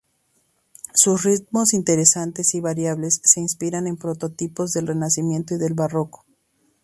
Sus ritmos interesantes y variables se inspiran en prototipos del Renacimiento y del Barroco.